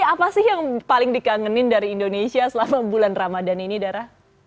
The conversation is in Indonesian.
apa sih yang paling dikangenin dari indonesia selama bulan ramadan ini dara